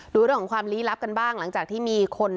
ดูเรื่องของความลี้ลับกันบ้างหลังจากที่มีคน